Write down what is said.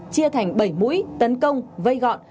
chia thành bảy mũi tấn công vây gọn